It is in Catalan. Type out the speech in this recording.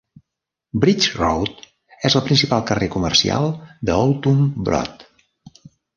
Bridge Road és el principal carrer comercial d'Oulton Broad.